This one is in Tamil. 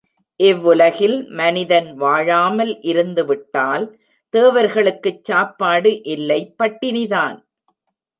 இவ்வுலகில் மனிதன் வாழாமல் இருந்து விட்டால் தேவர்களுக்குச் சாப்பாடு இல்லை பட்டினிதான்.